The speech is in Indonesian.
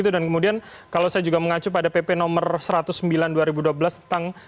dan kemudian kalau saya juga mengacu pada pp nomor satu ratus sembilan dua ribu dua belas tentang